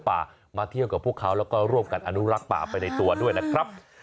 แล้วก็รวมกันอนุรักษ์ป่าไปในตัวด้วยนะครับ